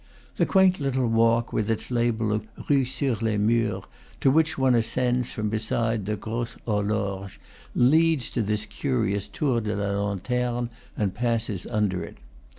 The quaint little walk, with its label of Rue sur les Murs, to which one ascends from beside the Grosse Horloge, leads to this curious Tour de la Lanterne and passes under it.